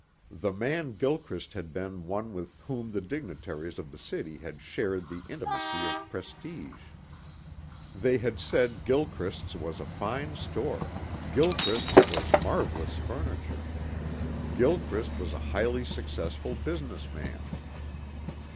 The man Gilchrist had been one with whom the dignitaries of the city had shared the intimacy of prestige. They had said Gilchrist's was a fine store, Gilchrist's was marvelous furniture, Gilchrist was a highly successful business man.